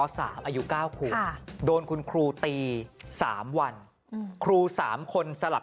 สามอายุเก้าควบค่ะโดนคุณครูตีสามวันครูสามคนสลับ